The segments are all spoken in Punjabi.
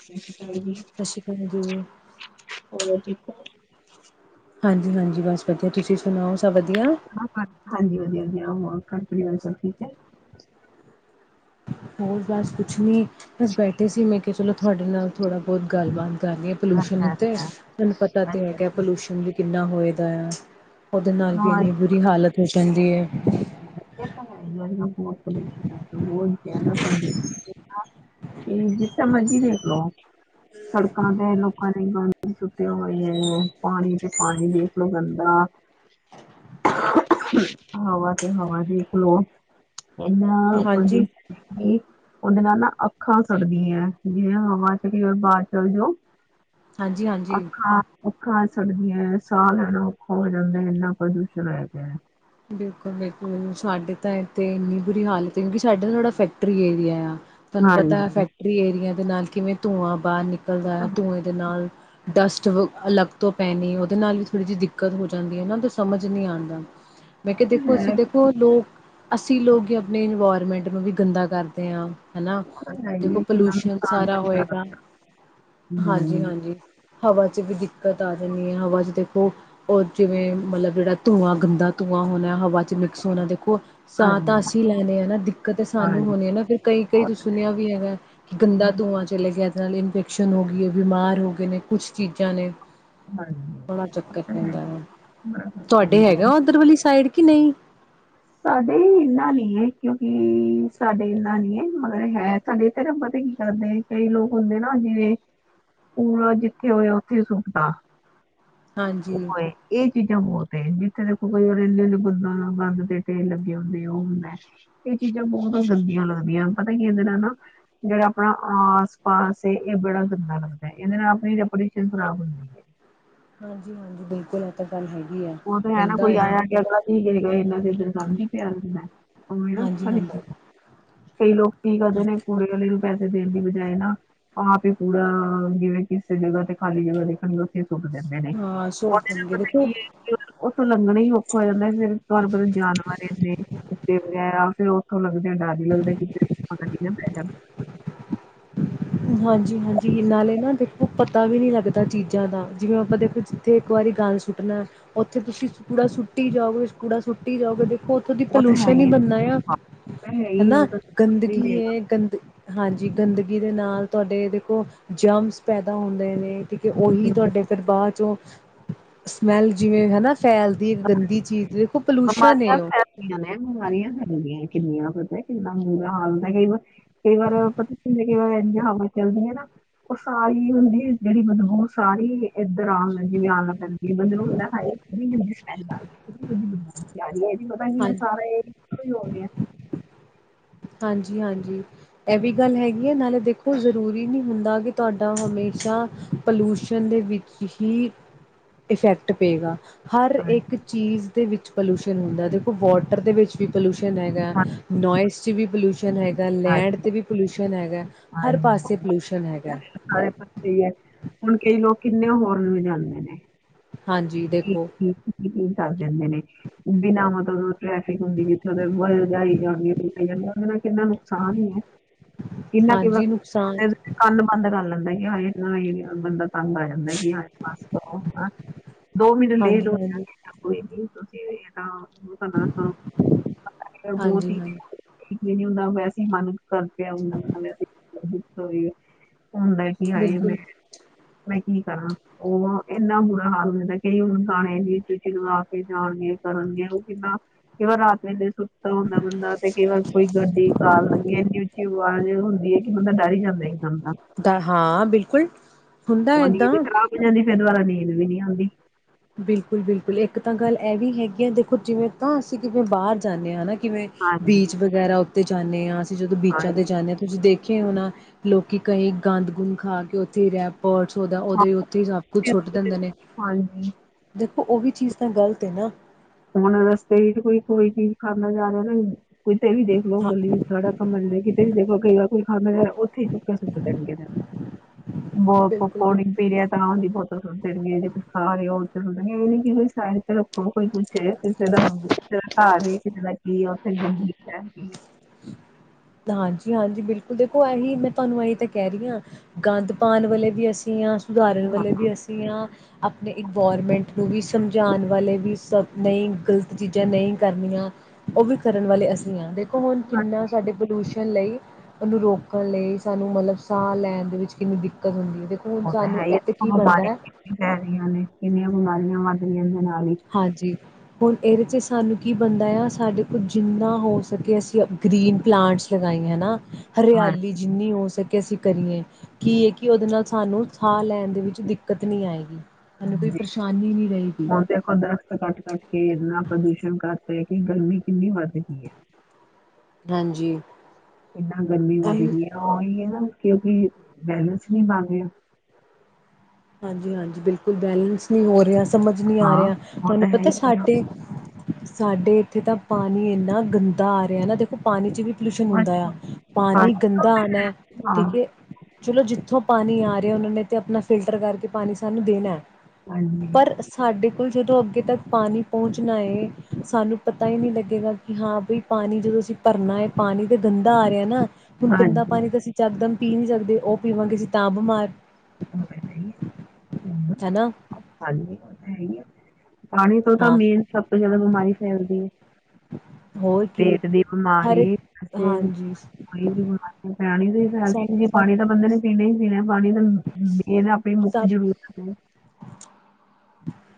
ਸਤਿ ਸ਼੍ਰੀ ਅਕਾਲ ਜੀ। ਸਤਿ ਸ਼੍ਰੀ ਅਕਾਲ ਜੀ ਹੋਰ ਜੀ ਹਾਂਜੀ-ਹਾਂਜੀ ਬਸ ਵਧੀਆ ਤੁਸੀਂ ਸੁਣਾਓ। ਸਭ ਵਧੀਆ ਹਾਂਜੀ ਵਧੀਆ ਜੀ। [unintelligible] ਪਰਿਵਾਰ ਸਭ ਠੀਕ ਹੈ। ਹੋਰ ਬਸ ਕੁਛ ਨੀ ਬਸ ਬੈਠੇ ਸੀ ਮੈਂ ਕਿ ਚਲੋ ਤੁਹਾਡੇ ਨਾਲ ਥੋੜ੍ਹਾ ਬਹੁਤ ਗੱਲਬਾਤ ਕਰਨੀ ਹੈ ਪੋਲਿਊਸ਼ਨ ਅੱਛਾ ਉੱਤੇ ਅੱਛਾ ਮੈਨੂੰ ਪਤਾ ਤੇ ਅੱਛਾ ਹੈਗਾ ਜੀ। ਪੋਲਿਊਸ਼ਨ ਵੀ ਕਿੰਨਾ ਹੋਏ ਦਇਆ ਉਹਦੇ ਨਾਲ ਵੀ ਇੰਨੀ ਬੁਰੀ ਹਾਲਤ ਫੇਰ ਕਹਿੰਦੀ ਏ ਏ ਤੇ ਹੈ ਬਹੁਤ ਪੋਲਿਊਸ਼ਨ ਹ। ਹੋਣ [unintelligible] ਕਿ ਜਿੱਥੇ ਮਰਜੀ ਦੇਖਲੋ ਸੜਕਾਂ ਤੇ ਲੋਕਾਂ ਨੇ ਗਾਂਦ ਸੁੱਟਿਆ ਹੋਇਆ ਪਾਣੀ ਤੇ ਪਾਣੀ ਦੇਖਲੋ ਗੰਦਾ। ਹਵਾ ਤੇ ਹਵਾ ਦੇਖ ਲਓ। ਇਨਾ ਹਾਂਜੀ ਪ੍ਰਦੂਸ਼ਣ ਏ ਕੀ ਉਹਦੇ ਨਾਲ ਨਾ ਅੱਖਾਂ ਸੜਦੀ ਹੈ ਜਿਵੇਂ ਹਵਾ ਚ ਬਾਹਦ ਚਲੇ ਜਾਓ। ਹਾਂਜੀ ਹਾਂਜੀ ਅੱਖਾਂ ਖਾ ਸੜਦੀਆਂ ਸਾਹ ਲੈਣਾ ਔਖਾ ਹੋ ਜਾਂਦਾ ਇੰਨਾ ਪ੍ਰਦੂਸ਼ਣ ਹੋਇਆ ਪਇਆ। ਬਿਲਕੁਲ-ਬਿਲਕੁਲ ਸਾਡੇ ਤਾਂ ਇੱਥੇ ਇੰਨੀ ਬੁਰੀ ਹਾਲਤ ਹੈ ਕਿਉਂਕਿ ਸਾਡੇ ਥੋੜਾ ਫੈਕਟਰੀ ਏਰੀਆ ਆ। ਤੁਹਾਨੂੰ ਪਤਾ ਹਾਂਜੀ ਫੈਕਟਰੀ ਏਰੀਆਂ ਦੇ ਨਾਲ ਕਿਵੇਂ ਧੂੰਆਂ ਬਾਹਰ ਉਹ ਨਿਕਲਦਾ ਤਾਂ ਹੈ ਧੂੰਏ ਦੇ ਨਾਲ ਡਸਟ ਵ ਅਲੱਗ ਤੋਂ ਪੈਣੀ ਉਹਦੇ ਨਾਲ ਵੀ ਥੋੜ੍ਹੀ ਜਿਹੀ ਦਿੱਕਤ ਹੋ ਜਾਂਦੀ ਹੈ ਉਹਨਾਂ ਤੋਂ ਸਮਝ ਨੀ ਆਂਦਾ। ਮੈਂ ਉਹ ਕਿਹਾ ਤਾਂ ਦੇਖੋ ਅਸੀਂ ਹੈ ਦੇਖੋ ਲੋਕ ਅੱਸੀਂ ਲੋਕ ਹੀ ਆਪਣੇ ਇਨਵੋਲਵ ਮੈਂਟ ਨੂੰ ਵੀ ਗੰਦਾ ਕਰਦੇ ਹਾਂ ਹਨਾ ਉਹ ਤਾਂ ਹੈ ਹੀ ਦੇਖੋ ਹੈ ਕਿੰਨਾ ਪਲੂਸ਼ਨ ਨੁਕਸਾਨ ਸਾਰਾ ਪਹੁੰਚਾ ਹੋਏਗਾ ਰਿਹਾ। ਹਾਂਜੀ ਹੂੰ ਹਾਂਜੀ ਹਵਾ ਚ ਵੀ ਦਿੱ ਦਿੱਕਤ ਆ ਜਾਂਦੀ ਹੈ ਹਵਾ 'ਚ ਦੇਖੋ ਔਰ ਜਿਵੇਂ ਮਤਲਬ ਜਿਹੜਾ ਧੂੰਆਂ ਗੰਦਾ ਤੂੰ ਹੋ ਹਵਾ ਚ ਮਿਕਸ ਹੋਣਾ ਦੇਖੋ ਸਾਹ ਤਾਂ ਹਾਂਜੀ ਅਸੀਂ ਲੈਣੇ ਹਨਾ ਦਿੱਕਤ ਸਾਨੂੰ ਹਾਂਜੀ ਹੋਣੀ ਨਾ ਫਿਰ ਕਈ ਕਈ ਤੂੰ ਸੁਣਿਆ ਵੀ ਹੈਗਾ ਕਿ ਗੰਦਾ ਹੂੰ, ਧੂੰਆਂ ਚਲੇ ਗਿਆ ਨਾਲ ਇਨਫੈਕਸ਼ਨ ਹੋ ਗਈ ਹੈ ਬਿਮਾਰ ਹੋ ਗਏ ਨੇ ਕੁਛ ਚੀਜ਼ਾਂ ਨੇ ਹਾਂਜੀ ਉਹ ਬੜਾ ਚੱਕਰ ਤਾਂ ਹੈ ਪੈਂਦਾ ਹੀ ਵ ਤੁਹਾਡੇ ਹੁੰਦਾ। ਹੈਗੇ ਉਹ ਸਾਈਡ ਕਿ ਨਹੀਂ ਸਾਡੇ ਇਨਾ ਨੀ ਹੈ ਕਿਉਂਕਿ ਸਾਡੇ ਇਨਾ ਨੀ ਹੈ ਮਗਰ ਹੈ ਸਾਡੇ ਧਰਬ ਤੇ ਕੀ ਕਰਦੇ ਕਈ ਲੋਕ ਹੁੰਦੇ ਨਾ ਜਿਵੇਂ ਪੂਰਾ ਜਿੱਥੇ ਹੋਇਆ ਉੱਥੇ ਸੁਖਦਾ ਉਹ ਹਾਂਜੀ, ਹੈ ਇਹ ਚੀਜ਼ਾਂ ਬਹੁਤ ਹੈ ਜ ਦੇਖੋ ਕੋਈ ਰ ਇੰਨੇਨੇ ਬੰ ਬੰਦਦੇ ਤੇ ਲੱਗੇ ਹੁੰਦੇ ਉਹ ਹੁੰਦਾ ਚੀਜ਼ਾਂ ਬਹੁਤ ਗੰਦੀਆਂ ਲੱਗਦੀਆਂ ਪਤਾ ਕੀ ਇਹਦੇ ਨਾਲ ਨਾ ਜਿਹੜਾ ਆਪਣਾ ਆਸ ਪਾਸ ਇਹ ਬੜਾ ਗੰਦਾ ਲੱਗਦਾ ਇਹਦੇ ਨਾਲ ਆਪਣੀ ਰਪਟ ਖਰਾਬ ਹੁੰਦੀ ਹੈ ਹਾਂਜੀ ਹਾਂਜੀ ਬਿਲਕੁਲ ਆ ਗੱਲ ਹੈਗੀ ਉਹ ਤੇ ਹੈ ਨਾ ਹੁੰਦਾ ਕੋਈ ਆ ਆਇਆ ਕਿ ਅਗਲਾ ਇਨਾ ਦੇ ਇਦਣ ਕਰ ਨ ਪਿਆ ਉਹ ਨਾ ਅੱਛਾ ਨੀ ਹਾਂਜੀ-ਹਾਂਜੀ ਲੱਦਾ ਕਈ ਲੋਕ ਕੀ ਕਰਦੇ ਨੇ ਕੂੜੇ ਵਾਲੇ ਪੈਸੇ ਦੇਣ ਦੀ ਬਜਾਏ ਨਾ ਆਪ ਹੀ ਪੂਰਾ ਜਿਵੇਂ ਕਿਸੇ ਜਗ੍ਹਾ ਤੇ ਖਾਲੀ ਜਗ੍ਹਾ ਦੇਖਣਗੇ ਉੱਥੇ ਸੁੱੱਕ ਦਿੰਦੇ ਨੇ ਹਾਂ ਸੁੱਟ ਉਹਦੇ ਨਾਲ ਦੇਣਗੇ ਪਤਾ ਦੇਖੋ ਕੀ ਹੈ [unintelligible] ਤੋਂ ਲੰਘਣਾ ਹੀ ਔਖਾ ਹੋ ਜਾਂਦਾ ਫਿਰ ਤੁਡੂੰ ਪਲ ਜਾਨਵਰ ਇਨੇ ਕੁੱਤੇ ਵਗੈਰਾ ਫੇਿਰ ਉਹ ਲੱਗਦੇ ਆ ਡ ਲੱਗਦੇ ਕਿਤੇ ਪਤਾ ਨਾ ਪੈ ਹਾਂਜੀ ਹਾਂਜੀ ਨਾਲੇ ਦੇਖੋ ਪਤਾ ਵੀ ਨੀ ਲੱਗਦਾ ਚੀਜ਼ਾਂ ਜ਼ਿਆਦਾ ਜਿਵੇਂ ਆਪਾਂ ਦੇਖੋ ਜਿੱਥੇ ਇੱਕ ਵਾਰੀ ਗੱਲ ਸੁੱਟਣਾ ਉੱਥੇ ਤੁਸੀਂ ਪੂੜਾ ਸੁੱਟੀ ਜਾਓਗੇ ਕੂੜਾ ਸੁੱਟੀ ਜਾਓਗੇ ਉਥੋਂ ਦੀ ਉਹ ਤਾਂ ਹੈ ਪੋਲਿਊਸ਼ਨ ਹੀ ਹੈ ਬਣਦਾ ਆ ਉਹ ਤਾਂ ਹੈ ਹੀ ਉਹ ਹਨਾ ਤਾਂ ਨਹੀਂ ਗੰਦਗੀ ਦੇਗਾ ਗੰਦ ਹਾਂਜੀ ਗੰਦਗੀ ਦੇ ਨਾਲ ਤੁਹਾਡੇ ਦੇਖੋ ਜਮਸ ਪੈਦਾ ਹੁੰਦੇ ਨੇ ਅਤੇ ਉਹੀ ਤੁਹਾਡੇ ਫਿਰ ਬਾਅਦ 'ਚੋਂ ਸਮੈਲ ਜਿਵੇਂ ਹਨਾ ਫੈਲਦੀ ਇੱਕ ਗੰਦੀ ਚੀਜ਼ ਪੋਲਿਊਸ਼ਨ ਹੈ ਬਿਮਾਰੀਆਂ ਉਹ ਫੈਲਦੀਆਂ ਨੇ ਬਿਮਾਰੀਆਂ ਫੈਲਦੀੀਆਂ ਕਿੰਨੀਆਂ ਪਤਾ ਕਿੰਨਾ ਮਰਾ ਹਾਲਦਾ ਕਈ ਵਾਰ ਕਈ ਵਾਰ ਪਤਾ ਕਿਂ ਕਈ ਵਾਰ ਇ ਜ ਹਵਾ ਚੱਲਦੀ ਹੈ ਨਾ ਉਹ ਸਾਰੀ ਹੁੰਦੀ ਜਿਹੜੀ ਬਦਬੂ ਸਾਰੀ ਕਾਮ ਹੈ ਜੀ ਆਨਾ ਪੈਂਦਾ [unintelligible] [unintelligible] ਪਤਾ ਕੀ ਆ ਹਾਂਜੀ ਸਾਰੇ ਕੋਈ ਹੋਨਿਆ ਹਾਂਜੀ- ਹਾਂਜੀ ਇਹ ਵੀ ਗੱਲ ਹੈਗੀ ਹੈ ਨਾਲੇ ਦੇਖੋ ਜ਼ਰੂਰੀ ਨਹੀਂ ਹੁੰਦਾ ਕਿ ਤੁਹਾਡਾ ਹਮੇਸ਼ਾ ਪਲੂਸ਼ਨ ਦੇ ਵਿੱਚ ਹੀ ਇਫੈਕਟ ਪਏਗਾ। ਹਰ ਇੱਕ ਹਾਂਜੀ ਚੀਜ਼ ਦੇ ਵਿੱਚ ਪੋਲੁਸ਼ਨ ਹੁੰਦਾ ਦੇਖੋ ਵਾਟਰ ਦੇ ਵਿੱਚ ਵੀ ਪੋਲੂਸ਼ਨ ਹੈਗਾ ਨੋਇਸ ਚੀ ਵੀ ਪੋਲੂਸ਼ਨ ਹੈਗਾ, ਲੈਂਡ ਹਾਂਜੀ ਤੇ ਵੀ ਪੋਲਿਊਸ਼ਨ ਸ਼ਨ ਹੈਗਾ ਹਰ ਹਾਂਜੀ ਪਾਸੇ ਪਤਾ ਪੋਲਿਊਸ਼ਨ ਹੈਗਾ। ਹੈ, ਸਾਰੇ ਪਾਸੇ ਹੀ ਹੈ। ਹੁਣ ਕਈ ਲੋਕ ਕਿੰਨੇ ਹੋਰੰਨ ਵਜਾਂਦੇ ਨੇ। ਹਾਂਜੀ ਹ ਦੇਖੋ ਹਮ [unintelligible] ਚ ਜਾਂਦੇ ਨੇ ਬਿਨਾਂ ਮਤਲਬ ਟ੍ਰੈਫਿਕ ਹੁੰਦੀ ਜਿੱਥੇ ਵਲ ਜਾਈ ਜਾਂਦੇ ਨੇ ਕਿੰਨਾ ਨੁਕਸਾਨ ਹੀ ਹੈ ਕਿੰਨਾ ਕਿਵੇਂ ਹਾਂਜੀ ਨੁਕਸਾਨ ਕੰਨ ਬੰਦ ਕਰ ਲੈਂਦੇ ਆ ਹ ਏਨਾ ਬੰਦਾ ਤੰਗ ਆ ਜਾਂਦਾ ਕਿ ਹਾਂਜੀ ਬਸ ਕਰੋ ਦੋ ਮਿੰਟ ਹਾਂਜੀ ਲੇਟ ਹੋ ਜਾਂ ਹਾਂਜੀ ਗੇ ਕੋਈ ਨਹੀ ਏਹ ਹਾਂ [inaudible] ਹਾਂਜੀ ਬਹੁਤ ਹੀ ਹਾਂਜੀ ਮੈਨ ਉਹਦਾ ਵੈਸੇ ਹੀ ਮਨ ਕਰ ਪਿਆ ਵੈਸੇ ਹੁੰਣ ਮੈਂ ਕੀ ਆਈ ਬਿਲਕੁਲ ਮੈਂ ਮੈਂ ਕੀ ਕਰਾਂ, ਉਹ ਵਾਂ ਇੰਨਾ ਬੁਰਾ ਹਾਲ ਹੁੰਦਾ ਕਈ ਹੁਣ ਗਾਣੇ ਜ ਚੂਚੀ ਲਵਾ ਕੇ ਜਾਣਗੇ, ਕਰਨਗੇ ਉਹ ਕਿੰਨਾ ਕਿਵੇਂ ਰਾਤ ਵੇਲੇ ਸੁ ਹੁੰਦਾ ਬੰਦਾ ਤੇ ਕਈ ਵਾਰ ਕੋਈ ਗੱਡੀ, ਕਾਰ ਲਂਗੇ ਇੰਨੀ ਉੱਚੀ ਆਵਾਜ਼ ਹੁੰਦੀ ਹੈ ਕਿ ਬੰਦਾ ਡਰ ਹੀ ਜਾਂਦਾ ਇਕਦਮ ਤਾਂ। ਦਾ ਹਾਂ ਬਿਲਕੁਲ ਹੁੰਦਾ ਉਹ ਏਦਾਂ ਨੀਂਦ ਹੀ ਖਰਾਬ ਹੋ ਜਾਂਦੀ ਏ, ਫਿਰ ਦੁਬਾਰਾ ਨੀਂਦ ਨੀਂਦ ਨੀ ਆਉਂਦੀ। ਬਿਲਕੁਲ -ਬਿਲਕੁਲ ਇੱਕ ਤਾਂ ਗੱਲ ਇਹ ਵੀ ਹੈਗੀ ਆ, ਦੇਖੋ ਜਿਵੇਂ ਤਾਂ ਅਸੀਂ ਕਿਵੇਂ ਬਾਹਰ ਜਾਂਨੇ ਆ ਹੈਣਾ ਕਿਵੇਂ ਹਾਂਜੀ ਬੀਚ ਵਗੈਰਾ ਤੇ ਜਾਂਨੇ ਆਂ ਜਦੋਂ ਬੀਚਾਂ ਹਾਂਜੀ ਤੇ ਜਾਨੇ ਆਂ, ਤੁਸੀਂ ਦੇਖੇਆ ਹੋਣਾ ਲੋਕ ਕਿ ਕਈ ਗੰਦ -ਗੁੰਦ ਖਾ ਕੇ, ਉੱਥੇ ਹੀ ਰਹਿ ਪਸ ਉਹਦਾ ਹਾਂ। ਉਦੋਂ ਹੀ ਉੱਥੇ ਹੀ ਸਭ ਕੁੱਛ ਛੁੱਟ ਦਿੰਦੇ ਨੇ ਹਾਂਜੀ ਦੇਖੋ ਉਹ ਵੀ ਚੀਜ਼ ਤਾਂ ਗ਼ਲਤ ਹੈ ਨਾ ਹੁਣ ਰਸਤੇ ਵਿੱਚ ਕੋਈ ਕੋਈ ਚੀਜ਼ ਕਰਨਾ ਜਾ ਰਿਹਾ ਨਾ। ਕਿਤੇ ਵੀ ਦੇਖ ਲੋੋ ਹਾਂ ਗੱਲਲੀ ਸਾਰਾ ਘਮਣ ਕਿਤੇ ਵੀ ਦੇਖ ਲ ਕਈ ਵਾਰ ਕੋਈ ਖਾਦਾ ਉੱਥੇ ਹੀ ਚੁੱਕ ਕੇ ਸੁੱਟ ਦੇਣਗੇ ਬ ਬਿਲਕੁਲ-ਬਿਲਕੁਲ ਪਕੌੜੀ ਪੀ ਰਿਹਾ ਤਾਂ ਉਹਦੀ ਬਹੁਤ ਸੁੱਟ ਦੇਣਗੇ ਜੇ ਕੁਛ ਖਾ ਰਹੇ ਹੋ [unintelligible] ਇਹਂ ਕੀ ਹੋਈ ਸਾਹਿ [inaudible] ਹੋੋ ਕੋਈ [inaudible] ਕਿਸੇ ਦਾ ਦਾ ਘਰ, ਕਿਸੇ ਦਾ ਕੀ ਆ, ਉੱਥੇ ਗੰਦਗੀ ਹ [inaudible] ਹਾਂਜੀ -ਹਾਂਜੀ ਬਿਲਕੁਲ ਦੇਖੋ, ਇਹੀ ਮੈਂ ਤੁਹਾਨੂੰ ਇਹੀ ਤਾਂ ਕਹਿ ਰਹੀ ਹਾਂ ਗੰਦ ਪਾਉਣ ਵਾਲੇ ਵੀ ਅਸੀਂ ਹ ਉਦਾਹਰਣ ਹਾਂ ਵੇਲੇ ਵੀ ਅਸੀਂ, ਆਂ- ਆਪਣੇ ਇਨਵਾਰਮੈਂਟ ਨੂੰ ਵੀ ਸਮਝਾਉਣ ਵਾਲੇ ਵੀ ਸ ਨਹੀਂ ਗ਼ਲਤ ਚੀਜ਼ਾਂ ਨਹੀਂ ਕਰਨੀਆਂ, ਉਹ ਵੀ ਕਰਨ ਵਾਲੇ ਅਸੀਂ ਹਾਂ, ਦੇਖੋੁਣ ਕਿੰਨਾ ਸਾਡੇ ਪੋਲਿਊਸ਼ਨ ਲਈ ਉਹਨੂੰ ਰੋਕਣ ਲਈ, ਸਾਨੂੰ ਮਤਲਬ ਸਾਹ ਲੈਣ ਦੇ ਵਿੱਚ ਕਿੰਨੀ ਦਿੱਕਤ ਹੁੰਦੀ ਹੈ। ਦੇਖੋ ਹੁਣ ਉਹ ਤਾਂ ਸਾਨੂੰ ਹੈ ਇੱਥੇ ਕੀ ਬ ਬਣਦਾ ਹੈ ਬਾਰੀਆਂ ਕਿੰਆਂ ਪੈ ਰਹੀਆਂ ਨੇ ਕਿੰਨੀਆਂ ਬੁਮਾਰੀਆਂ [inaudible] ਮਤ [inaudible] ਹਾਂਜੀ। ਹੁਣ ਇਹਦੇ 'ਚ ਸਾਨੂੰ ਕੀ ਬਣਦਾ ਆ, ਸਾਡੇ ਕੋਲ ਜਿੰਨਾ ਹੋ ਸਕੇ ਅਸੀਂ ਗ੍ਰਰੀਨ ਪਲਾਂਟਸ ਲਗਾਏ ਹੈ ਨਾ। ਹਰਿਆਲੀ ਹਾਂਜੀ ਜਿੰਨੀ ਹੋ ਸਕੇ। ਕਿ ਅਸੀਂ ਕਰੀਏ, ਕੀ ਹੈ ਕਿ ਉਹਦੇ ਨਾਲ ਸਾਨੂੰ ਸਾਹ ਲੈਣ ਦੇ ਵਿੱਚ ਦਿੱਕਤ ਨਹੀਂ ਆਏਗੀ। ਸਾਨੂੰ ਕੋਈ ਹਾਂਜੀ ਪਰੇਸ਼ਾਨੀ ਨਹੀਂ ਰਹੀਗੀ,। ਹੁਣ ਦੇਖੋ ਦਰਖਤ ਕੱਟ- ਕੱਟ ਕੇ ਇੰਨਾ ਪ੍ਰਦੂਸ਼ਣ ਕਰ ਪਿਆ, ਕਿ ਗਰਮੀ ਕਿੰਨੀ ਵੱਧ ਗਈ ਹੈ। ਹਾਂਜੀ। ਕਿੰਨਾ ਗਰਮੀ ਵੱਧ ਗਈ ਆ ਉਹੀ ਹੈ ਨਾ। ਕਿਉਂਕਿ ਬੈਲੇੈਂਸ ਨਹੀਂ ਮੰਣ ਰਿਹਾ ਹਾਂਜੀ ਹਾਂਜੀ ਬਿਲਕੁਲ ਬੈਲਂਸ ਨਹੀਂੀ ਹੋ ਰਿਹਾ ਸਮਝ ਨਹੀ ਆ ਹਾਂ ਰਿਹਾ ਉਹ ਤੁਹਾਨੂੰ ਤਾਂ ਹੈ ਪਤਾ ਹੀ ਹੈ ਨਾ ਸਾਡੇ ਸਾਡੇ ਇੱਥੇ ਤਾਂ ਪਾਣੀ ਇੰਨਾ ਗੰਦਾ ਆ ਰਿਹਾ ਨਾ ਦੇਖੋ ਪਾਣੀ 'ਚ ਵੀ ਪੋਲਿਊਸ਼ਨ ਹੁੰਦਾ ਬਸ, ਆ ਹਾਂ ਪਾਣੀ ਗੰਦਾ ਆਉਣਾ ਹਾਂ, ਠੀਕ ਹੈ ਚਲੋ ਜਿੱਥੋਂ ਪਾਣੀ ਆ ਰਿਹਾ ਉਹਨਾਂ ਨੇ ਤੇ ਆਪਣਾ ਫਿਲਟਰ ਕਰਕੇ ਪਾਣੀ ਸਾਨੂੰ ਦੇਣਾ ਹਾਂਜੀ ਪਰ ਸਾਡੇ ਬਿਲਕੁਲ ਜਦੋਂ ਅੱਗੇ ਤੱਕ ਪਾਣੀ ਪਹੁੰਚਣਾ ਏ ਸਾਨੂੰ ਪਤਾ ਹੀ ਨਹੀਂ ਲੱਗੇਗਾ ਕਿ ਹਾਂ ਬ ਪਾਣੀ ਜਦੋਂ ਅਸੀਂ ਭਰਨਾ ਹੈ ਪਾਣੀ ਦੇ ਗੰਦਾ ਆ ਰਿਹਾ ਨਾ ਹੁਣ ਗੰਦਾ ਹਾਂਜੀ ਪਾਣੀ ਤਾਂ ਅਸੀਂ ਚੱਕਦਮ ਪੀ ਨਹੀਂੀ ਸਕਦੇ ਉਹ ਪੀਵਾਂਗੇਸੀ ਤਾਂ ਬਿਮਾਰ ਹੋ ਬੈਠਹੀ ਹੈ ਹਮ ਹਨਾ ਖਾਲ ਤਾਂ ਹੈਗੀ ਪਾਣੀ ਤੋਂ ਤਾਂ ਹਾਂ ਮੇਨ ਸਭ ਤੋਂ ਜਿਆਦਾ ਬਿਮਾਰੀ ਫੈਲਦੀ ਹੈ ਹੋਰ ਕੀ ਪੇਟ ਦੀ ਹਰ ਇੱਕ ਬਿਮਾਰੀੇਈ ਹਾਂਜੀ ਬਿਮਾਰੀ ਪਿਆਣੀ ਦੇ ਫੈਲ ਸਭ ਜੇ ਪਾਣੀ ਤਾਂ ਬੰਦੇ ਨੇ ਪੀਣਾ ਹੀ ਪੀਣਾ ਪਾਣੀ ਤਾਂ ਇਹ ਨਾ ਆਪਣੀ ਮੁੱਖ ਸਭ ਜ਼ਰੂਰਤ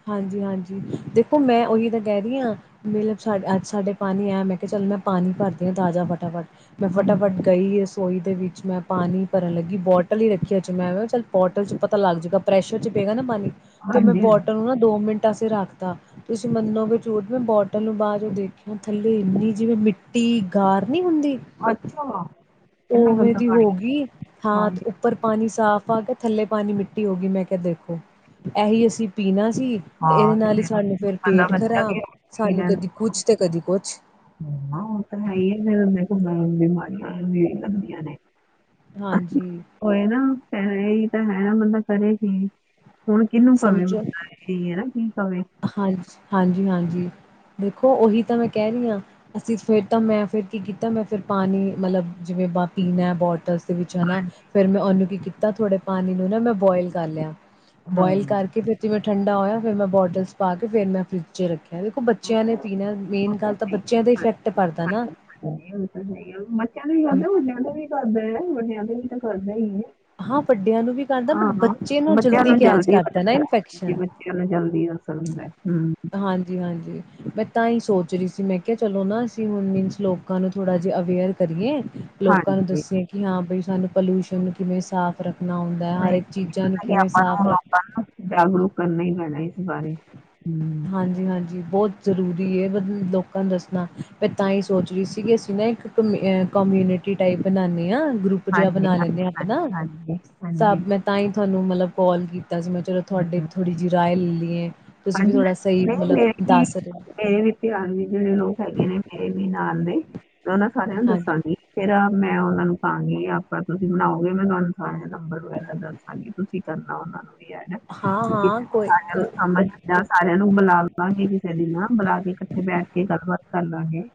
ਹਾਂਜੀ ਹਾਂਜੀ ਦੇਖੋ ਮੈਂ ਉਹੀ ਤਾਂ ਕਹਿ ਰਹੀ ਹਾਂ ਮਤਲਬ ਸਾ ਅੱਜ ਸਾਡੇ ਪਾਣੀ ਐ ਮੈਂ ਕਿਹਾ ਚੱਲ ਮੈਂ ਪਾਣੀ ਭਰਦੀ ਹਾਂ ਤਾਜ਼ਾ ਫਟਾਫਟ ਮੈਂ ਹਾਂਜੀ ਫਟਾਫਟ ਗਈ ਰਸੋਈ ਦੇ ਵਿੱਚ ਮੈਂ ਪਾਣੀ ਭਰਨ ਲੱਗੀ ਬੋਟਲ ਹੀ ਰੱਖੀ ਅਚ ਮ ਵ ਚੱਲ ਪ ਬੋਟਲ ਚ ਪਤਾ ਲੱਗ ਜੂਗਾ ਪ੍ਰੈਸ਼ਰ ਚ ਪਏਗਾ ਨਾ ਪਾਣੀ ਤੇ ਮੈਂ ਹਾਂਜੀ ਹਾਂਜੀ ਬੋਟਲ ਨਾ ਦੋ ਮਿੰਟ ਿੱਟਾ ਸ ਰੱਖਦਾ ਤੁਸੀਂ ਮੰਨੋਗੇ ਝੂਠ ਮੈਂ ਬੋਟਲ ਨੂੰ ਬਾਅਦ ਜੋ ਦੇਖਿਆ ਥੱਲੇ ਇੰਨੀ ਜਿਵੇਂ ਮਿੱਟੀ ਗਾਰ ਨਹੀਂ ਹੁੰਦੀ ਅੱਛਾ ਇੰਨਾ ਉਵੇਂ ਗੰਦਾ ਦੀ ਹੋ ਪਾਣੀ ਗਈ ਹਾਂਥ ਹਾਂਜੀ ਉੱਪਰ ਪਾਣੀ ਪਾਣੀ ਸਾਫ਼ ਆ ਕੇ ਥੱਲੇ ਪਾਣੀ ਮਿੱਟੀ ਹੋ ਗਈ ਮੈਂ ਕਿਹਾ ਦੇਖੋ ਇਹੀ ਅਸੀਂ ਪੀਣਾ ਤੇ ਇਹਦੇ ਹਾਂ ਤੇ ਨਾਲ ਹੀ ਫਿਰ ਉਹ ਸਾਨੂੰ ਫਰ ਬੰਦਾ ਪੇਟ ਬੱਚਾ ਕੀ ਖ਼ਰਾਬ ਸਾਨੂੰ ਕਦੀ ਕੁਛ ਤੇ ਕਦੀ ਕੁਛ ਹ ਉਹ ਤਾਂ ਹੈ ਹੀ ਆ ਫ ਬਿਮਾਰੀਆਂ ਲਗਦੀਆਂ ਨੇ ਹਾਂਜੀ ਹੋਏ ਨਾ ਫੈ ਹੈ ਨਾ ਮਤਲਬ ਕਰੇਗੀ ਹੁਣ ਕਿਹਨੂੰ ਭਾਵੇ ਮ ਸਮਝੋ ਹੈਾ ਕੀ ਕਵੇ ਹਾਂਜੀ ਹਾਂਜੀ ਹਾਂਜੀ ਦੇਖੋ ਉਹੀ ਤਾਂ ਮੈਂ ਕਹਿ ਰਹੀ ਹਾਂ ਅਸੀਂ ਫਿਰ ਤਾਂ ਮੈਂ ਫਿਰ ਕੀ ਕੀਤਾ ਮੈਂ ਫਿਰ ਪਾਣੀ ਮਤਲਬ ਜਿਵੇਂ ਪੀਣਾ ਬੋਟਲਸ ਵਿੱਚ ਹਨਾ ਫ਼ਿਰ ਮੈਂ ਉਹਨੂੰ ਕੀ ਕੀਤਾ ਥੋੜੇ ਪਾਣੀ ਨੂੰ ਨਾ ਮੈਂ ਬੋਆਇਲ ਕਰ ਲਿਆ ਹਾਂ। ਬੋਇਲ ਕਰਕੇ ਫਿਰਤੀ ਮੈਂ ਠੰਡਾ ਹੋਇਆ ਫਿਰ ਮੈਂ ਬੋਡੀ ਪਾ ਕੇ ਫੇਿਰ ਮੈਂ ਫਰਿੱਜ ਚ ਰੱਖੀ ਦੇਖੋ ਬੱਚਿਆਂ ਨੇ ਉਹ ਪੀਣਾ ਮੇਨ ਗੱਲ ਤਾਂ ਬੱਚਿਆਂ ਦਾ ਹੀ ਇਫੈਕਟ ਪਦਾ ਨਾ [inaudible] [unintelligible] ਕਰਦੇ ਵਡਿਆਂ ਦੇ ਵੀ ਤਾਂ ਕਰਦਾ ਹੀ ਏ। ਹਾਂ ਵੱਡਿਆਂ ਨੂੰ ਵੀ ਕਰਦਾ ਬਟ ਬੱਚੇ ਨੂੰ ਬੱਚਿਆਂ ਜਲਦੀ ਕੈਚ ਹੋ ਕਰਦਾ ਨਾ ਜਾਂਦਾ ਹੈ। ਹਾਂਜੀ, ਇਨਫੈਕਸ਼ਨ। ਬੱਚਿਆਂ ਨੂੰ [unintelligible] ਜੀ ਮੈਂ ਤਾਂ ਹੀ ਸੋਚ ਰਹੀ ਸੀ ਮੈਂ ਕਿਹਾ ਚਲੋ ਨਾ ਅਸੀਂ ਹੁਣ ਮੀਨਸ ਲੋਕਾਂ ਨੂੰ ਥੋੜ੍ਹਾ ਜਿਹਾ ਅਵੇਅਰ ਕਰੀਏ। ਲੋਕਾਂ ਨੂੰ ਹਾਂਜੀ, ਦੱਸਿਏ ਕਿ ਹਾਂ ਬਈ ਸਾਨੂੰ ਪੋਲਿਊਸ਼ਨ ਨੂੰ ਕਿਵੇਂ ਸਾਫ਼ ਰੱਖਣਾ ਹੁੰਦਾ ਹੈ ਹਰ ਨਹੀਂ ਇੱਕ ਚੀਜ਼ਾਂ ਨੂੰ ਨਹੀਂ ਕਿਵੇਂ ਆਪਾਂ ਸਾਫ਼ ਨੂੰ ਰੱਖ ਹੁਣ ਜਾਗਰੂਕ [unintelligible] ਇਸ ਬਾਰੇ ਹਮ। ਹਾਂਜੀ ਹਾਂਜੀ ਬਹੁਤ ਜ਼ਰੂਰੀ ਹੈ ਮ ਲੋਕਾਂ ਨੂੰ ਦੱਸਣਾ ਮੈਂ ਤਾਂ ਹੀ ਸੋਚ ਰਹੀ ਸੀ ਕਿ ਅਸੀਂ ਨਾ ਇੱਕ ਕਮਿ ਕਮਿਊਨਿਟੀ ਟਾਈਪ ਬਣਾਉਣੇ ਹਾਂ। ਗਰੁੱਪ ਜਿਹਾ ਹਾਂਜੀ, ਬਣਾ ਹਾਂਜੀ, ਲੈਂਦੇ ਹਾਂ ਹਾਂਜੀ, ਆਪਣਾ ਹਾਂਜੀ, ਹਾਂਜੀ। ਸਾਬ ਮੈਂ ਤਾਂ ਹੀ ਤੁਹਾਨੂੰ ਮਤਲਬ ਕੋਲ ਕੀਤੀ। ਤਾਂ ਜੇ ਮੈਂ ਚਲੋ ਹੂੰ। ਤੁਹਾਡੇ ਥੋੜ੍ਹੀ ਜਿਹੀ ਰਾਇ ਲੇ ਇਹ ਹਾਂਜੀ ਹਾਂਜੀ ਨਹੀਂ ਮੇਰੇ ਵੀ ਰਹੇ ਹੋ। ਮੇਰੇ ਵੀ ਧਿਆਨ ਵੀ ਜਿਹੜੇ ਲੋਕ ਹੈਗੇ ਨੇ ਮੇਰੇ ਵੀ ਨਾਲ ਦੇ। ਉਹਨਾਂ ਸਾਰਿਆਂ ਨੂੰ ਹਾਂਜੀ ਦੱਸਾਂਗੀ ਫੇਰ ਮੈਂ ਉਹਨਾਂ ਨੂੰ ਗੀ ਆਪਾਂ ਤੁਸੀਂ ਬਣਾਓਗੇ ਮੈਂ ਤੁਹਾਨੂੰ ਸਾਰੇ ਨੰਬਰ ਵਗੈਰਾ ਦੱਸਾਂਗੀ ਤੁਸੀਂ ਕਰਨਾ ਉਹਨਾਂ ਨੂੰ। ਵੀ ਐਡ ਹਾਂ ਕਿ ਹਾਂ ਕੋਈ ਸਾਰਿਆਂ ਨੂੰ ਉਹ ਸਮਝ ਜਾਂ ਸਾਰਿਆਂ ਨੂੰ ਬੁਲਾ ਲਵਾਂਗੇ ਕਿਸੇ ਦਿਨ ਨਾ ਬੁਲਾ ਕੇ ਇਕੱਠੇ ਬੈਠ ਕੇ ਗੱਲਬਾਤ ਕਰ ਲਾਂਗੇ।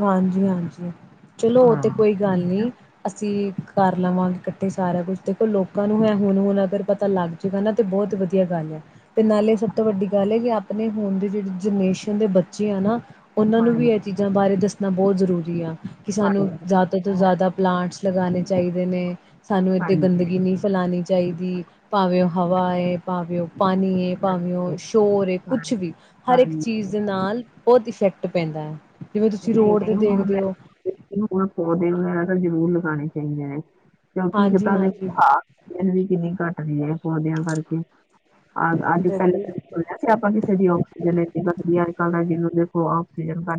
ਹਾਂਜੀ ਹਾਂਜੀ। ਚਲੋ ਉਹ ਹਾਂ ਤੇ ਕੋਈ ਗੱਲ ਹਾਂਜੀ ਨਹੀ ਅਸੀਂ ਕਰ ਲਵਾਂਗੇ ਇਕੱਠੇ ਸਾਰੇਆਂ ਨੂੰ ਦੇਖੋ ਲੋਕਾਂ ਨੂੰ ਹੈ ਹੁਣ ਹੁਣ ਅਗਰ ਪਤਾ ਲੱਗ ਜਾਏਗਾ ਨਾ ਤੇ ਬਹੁਤ ਵਧੀਆ ਗੱਲ ਹੈ ਤੇ ਨਾਲੇ ਸਭ ਤੋਂ ਵੱਡੀ ਗੱਲ ਹੈ ਕਿ ਆਪਣੇ ਹੁਣ ਦੇ ਜਿਹੜੇ ਜਨਰੇਸ਼ਨ ਦੇ ਬੱਚੇ ਆ ਨਾ। ਉਹਨਾਂ ਨੂੰ ਵੀ ਹਾਂਜੀ ਬਾਰੇ ਦੱਸਣਾ ਬਹੁਤ ਜ਼ਰੂਰੀ ਆ। ਕਿ ਸਾਨੂੰ ਹਾਂਜੀ ਜ਼ਿਆਦਾ ਤੋਂ ਜ਼ਿਆਦਾ ਪਲਾਂਟਸ ਲਗਾਉਣੇ ਚਾਹੀਦੇ ਨੇ। ਸਾਨੂੰ ਏਡੀ ਹਾਂਜੀ ਗੰਦਗੀ ਨਹੀਂ ਫੈਲਉਣੀ ਚਾਹੀਦੀ ਭਾਵੇਂ ਉਹ ਹਵਾ ਹੈ ਭਾਵੇਂ ਉਹ ਪਾਣੀ ਹੈ ਭਾਵੇਂ ਉਹ ਹਾਂਜੀ ਸ਼ੋਰ ਏ ਕੁਛ ਹਾਂਜੀ ਵੀ ਹਰ ਇੱਕ ਹਾਂਜੀ। ਚੀਜ਼ ਦੇ ਨਾਲ ਬਹੁਤ ਇਫੈਕਟ ਟ ਪੈਂਦਾ ਹੈ। ਜਿਵੇਂ ਤੁਸੀਂ ਨਹੀਂ ਰੋਡ ਤੇ ਨਹੀਂ ਹੁਣ ਦੇਖਦੇ ਹੋ ਮ ਹੁਣ ਪੋਦੇ ਵਗੈਰਾ ਜ਼ਰੂਰ ਲਗਾਉਣੇ ਚਾਹੀਦੇ ਨੇ। ਕਿਉਂਕਿ ਇੱਕ ਹਾਂਜੀ ਤਾਂ ਦੇ ਹਾਂਜੀ ਆਕਸੀਜਨ ਵੀ ਕਿੰਨੀ ਘੱਟਦੀ ਹੈ ਪੌਦਿਆਂ ਕਰਕੇ ਅ ਅੱਜ ਪਹਿਲੇ ਬਿਲਕੁਲ ਕਦੀ ਸੁਣਿਆ ਸੀ ਆਪਾਂ ਕਿਸੇ ਦੀ ਆਕਸੀਜਨ ਇਨੀ ਘਟਦੀ ਅੱਜ ਕੱਲ ਜਿਹਨੁ ਉਹ ਅਕਸੀਜਨ ਪਾ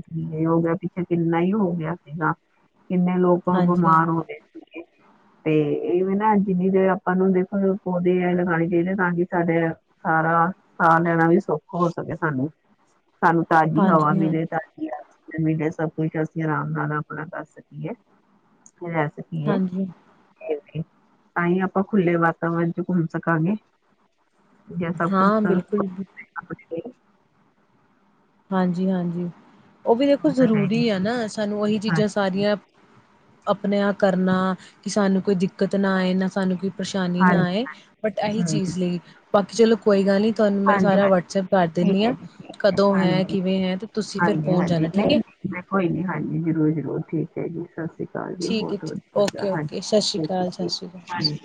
ਹੋ ਗਿਆ ਪਿੱਛੇ ਕਿੰਨਾ ਹੋ ਗਿਆ ਸੀਗਾ ਕਿੰਨੇ ਲੋਕ ਹਾਂਜੀ ਹਾਂਜੀ ਬਿਮਾਰ ਹੋ ਰਏ ਸੀ ਤੇ ਇਹਵੇਂ ਨਾ ਜਿੰਨੀ ਦੇਰ ਆਪਾਂ ਨੂੰ ਦੇਖੋ ਪੌਦੇ ਆ ਲਗਾਉਣੇ ਚਾਹੀਦੇ ਤਾਂ ਕਿ ਸਾਡੇ ਸਾਰਾ ਸਾਹ ਲੈਣਾ ਵੀ ਸੁੱਖ ਹੋ ਸਕੇ ਸਾਨੂੰ ਸਾਨੂੰ ਤਾਜ਼ੀ ਹਵਾ ਹਾਂਜੀ ਹਾਂ ਮਿਲੇ ਤਾਂ ਸਭ ਕੁਛ ਅਸੀਂ ਆਰਾਮ ਨਾਲ ਆਪਣਾ ਕਰ ਸਕੀਏ ਜਾ ਸਕੀ ਹੈ ਹਾਂਜੀ ਤਾਂ ਹੀ ਆਪਾਂ ਖੁੱਲੇ ਵਾਤਾਵਰਨ ਚ ਘੁੰਮ ਸਕਾਂਗੇ ਜਸਾ ਕੁਛ ਹਾਂ ਬਿਲਕੁਲ ਲਈ ਹਾਂਜੀ ਹਾਂਜੀ ਉਹ ਵੀ ਦੇਖੋ ਤਾਂ ਹੈਗੀ ਜ਼ਰੂਰੀ ਆ ਨਾ ਸਾਨੂੰ ਉਹੀ ਹਾਂ ਚੀਜ਼ਾਂ ਸਾਰੀਆਂ ਆਪਣੇ ਆਪ ਕਰਨਾ ਕਿ ਸਾਨੂੰ ਕੋਈ ਦਿੱਕਤ ਨਾ ਆਏ ਨਾ ਸਾਨੂੰ ਕੋਈ ਪਰੇਸ਼ਾਨੀ ਨਾ ਹਾਂਜੀ ਆਏ ਬਟ ਇਹੀ ਹਮ ਚੀਜ਼ ਲਈ ਬਾਕੀ ਚਲੋ ਕੋਈ ਗੱਲ ਨਹੀਂੀ ਤੁਹਾਨੂੰ ਮੈਂ ਹਾਂਜੀ ਸਾਰਾ ਹਾਂਜੀ ਵਟਸਐਪ ਕਰ ਠੀਕ ਦਿੰਦੀ ਹੈ ਹਾਂ ਜੀ ਠੀਕ ਹੈ ਕਦੋਂ ਹੈ ਹਾਂਜੀ ਕਿਵੇਂ ਹੈ ਤੇ ਤੁਸੀਂ ਫਿਰ ਹਾਂਜੀ ਪਹੁੰਚ ਹਾਂਜੀ ਜਾਣਾ ਨਹੀਂ ਠੀਕ ਹੈ ਨਹੀਂ ਮੈਂ ਕੋਈ ਨੀ ਹਾਂਜੀ ਜ਼ਰੂਰ ਜ਼ਰੂਰ ਠੀਕ ਹੈਏ ਜੀ ਸ ਸਤਿ ਸ਼੍ਰੀ ਅਕਾਲ ਜੀ ਠੀਕ ਹੈ ਬਹੁਤ ਬਤ ਵ ਓਕੇ ਹਾਂ ਓਕੇ ਸਤਿ ਸ਼੍ਰੀ ਅਕਾਲ ਸਤਿ ਸ਼੍ਰੀ ਅਕਾਲ ਹਾਂਜੀ